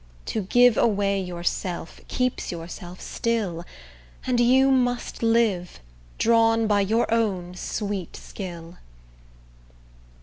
To give away yourself, keeps yourself still, And you must live, drawn by your own sweet skill.